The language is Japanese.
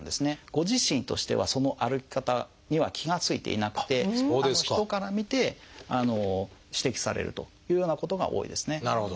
ご自身としてはその歩き方には気が付いていなくて人から見て指摘されるというようなことが多いですね。